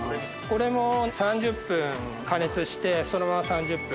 これも３０分加熱してそのまま３０分